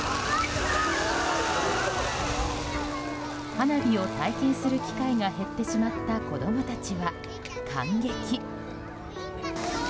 花火を体験する機会が減ってしまった子供たち。